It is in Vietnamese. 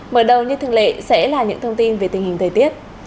mở đầu như thường lệ sẽ là những thông tin về tình hình thời tiết